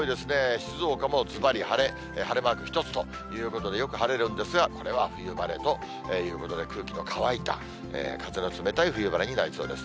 静岡もずばり晴れ、晴れマーク一つということで、よく晴れるんですが、冬晴れということで、空気の乾いた、風の冷たい冬晴れになりそうです。